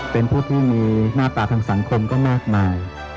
เป็นผู้ที่มีหน้าตาทางสังคมก็มากมาย